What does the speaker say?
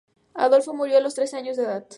Adolfo murió a los trece años de edad.